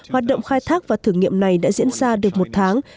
hoạt động khai thác và thử nghiệm này đã diễn ra được một tháng